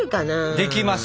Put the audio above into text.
できます！